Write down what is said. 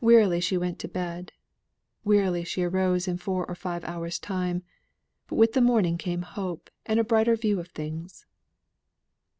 Wearily she went to bed, wearily she arose in four or five hours' time. But with the morning came hope, and a brighter view of things.